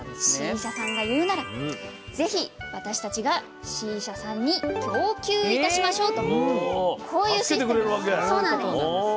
Ｃ社さんが言うならぜひ私たちがＣ社さんに供給いたしましょう」とこういうシステムなんです。